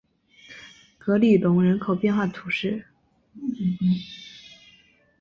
格里隆人口变化图示